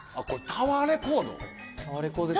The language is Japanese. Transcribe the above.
タワーレコード。